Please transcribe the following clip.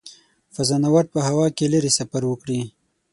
فضانورد په هوا کې لیرې سفر وکړي.